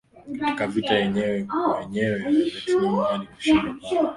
katika vita ya wenyewe kwa wenyewe ya Vietnam hadi kushindwa pale